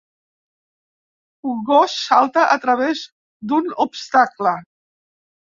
Un gos salta a través d'un obstacle.